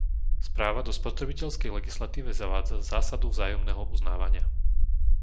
Správa do spotrebiteľskej legislatívy zavádza zásadu vzájomného uznávania.